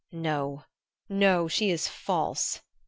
"No, no, she is false!"